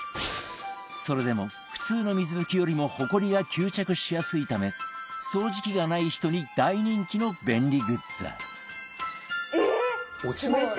それでも普通の水拭きよりもホコリが吸着しやすいため掃除機がない人に大人気の便利グッズええー！